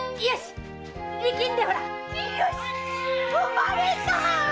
〔生まれた！